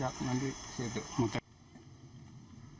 ke puncak nanti